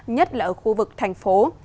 nhất là ở khu vực thành phố